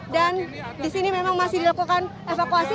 dan di sini memang masih dilakukan evakuasi